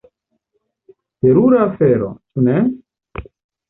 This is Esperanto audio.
Terura afero, ĉu ne?